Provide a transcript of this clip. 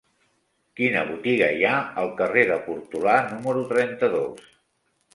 Quina botiga hi ha al carrer de Portolà número trenta-dos?